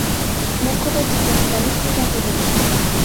মোক্ষদা জিজ্ঞাসা করে, কে ডাকে লো মতি?